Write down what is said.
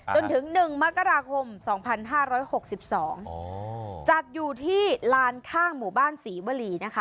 จนถึง๑มกราคม๒๕๖๒จัดอยู่ที่ลานข้างหมู่บ้านศรีวรีนะคะ